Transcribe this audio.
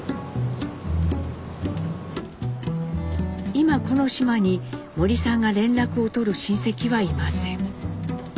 今この島に森さんが連絡を取る親戚はいません。